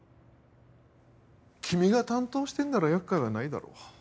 君が担当してるなら厄介はないだろう。